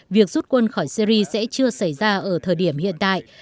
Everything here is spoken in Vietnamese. việc rút quân khỏi syri sẽ chưa xảy ra ở thời điểm hiện tại